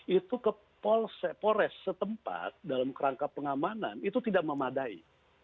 itu ke polsek polres setempat dalam kerangka pengamanan itu tidak memadai